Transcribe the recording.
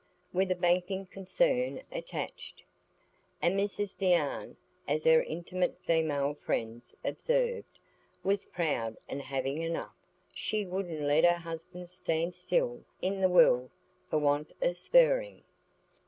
with a banking concern attached. And Mrs Deane, as her intimate female friends observed, was proud and "having" enough; she wouldn't let her husband stand still in the world for want of spurring.